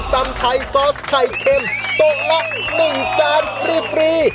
ตำไทยซอสไข่เข็มตกละหนึ่งจานฟรีฟรี